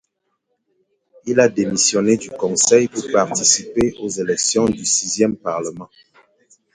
Il a démissionné du conseil pour participer aux élections du sixième parlement.